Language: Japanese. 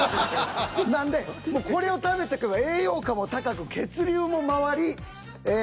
なんでこれを食べとけば栄養価も高く血流も回りええ